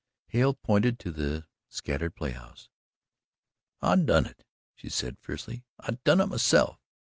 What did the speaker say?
Hale pointed to the scattered play house. "I done it!" she said fiercely "I done it myself."